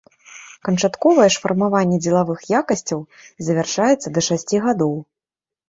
Канчатковае ж фармаванне дзелавых якасцяў завяршаецца да шасці гадоў.